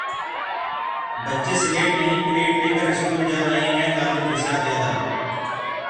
बच्चे स्लेट नहीं प्लेट लेकर स्कूल जा रहे हैं: लालू प्रसाद यादव